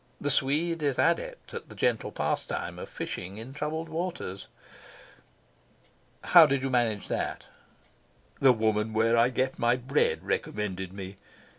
The Swede is adept at the gentle pastime of fishing in troubled waters. "How did you manage that?" "The woman where I get my bread recommended me.